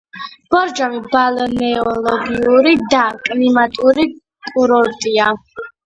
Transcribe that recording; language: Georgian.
ბორჯომი ბალნეოლოგიური და კლიმატური კურორტია.